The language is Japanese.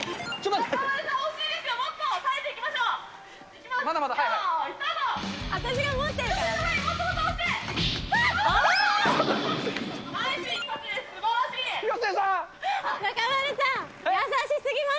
中丸さん、惜しいですよ、もっと耐えていきましょう。いきます。